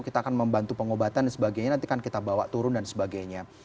kita akan membantu pengobatan dan sebagainya nanti kan kita bawa turun dan sebagainya